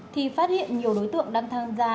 thì phát hiện nhiều đối tượng đang thang ra